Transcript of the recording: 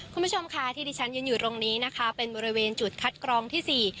คุณผู้ชมค่ะที่ที่ฉันยืนอยู่ตรงนี้นะคะเป็นบริเวณจุดคัดกรองที่สี่